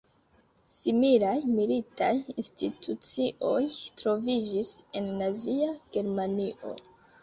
Similaj militaj institucioj troviĝis en nazia Germanio.